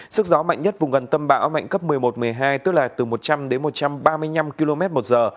sức gió mạnh nhất vùng gần tâm bão mạnh cấp một mươi một một mươi hai tức là từ một trăm linh đến một trăm ba mươi năm km một giờ